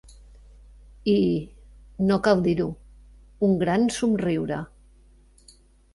I, no cal dir-ho, un gran somriure.